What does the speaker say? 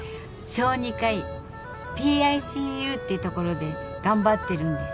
小児科医ＰＩＣＵって所で頑張ってるんです。